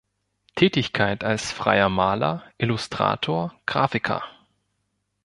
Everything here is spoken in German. Tätigkeit als freier Maler, Illustrator, Graphiker.